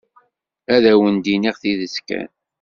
Ad awen-d-iniɣ tidet kan.